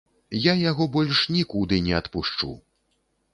Я яго больш нікуды не адпушчу.